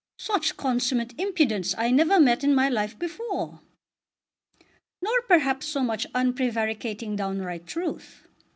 "Such consummate impudence I never met in my life before!" "Nor perhaps so much unprevaricating downright truth.